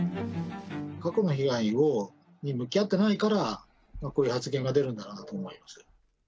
過去の被害に向き合ってないから、こういう発言が出るんだなと思います。